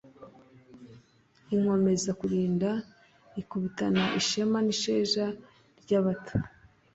inkomeza kulinda ikubitana ishema n'isheja ry'abato,